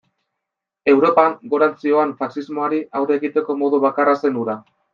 Europan gorantz zihoan faxismoari aurre egiteko modu bakarra zen hura.